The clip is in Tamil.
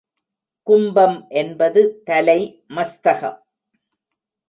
கும்பம் என்பது தலை மஸ்தகம்.